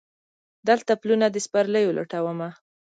دلته پلونه د سپرلیو لټومه